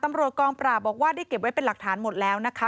ตำรวจกองปราบบอกว่าได้เก็บไว้เป็นหลักฐานหมดแล้วนะคะ